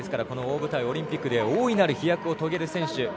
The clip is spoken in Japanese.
大舞台オリンピックで大いなる飛躍を遂げる選手